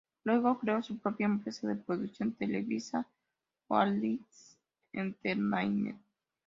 Luego, creó su propia empresa de producción televisiva, Boardwalk Entertainment.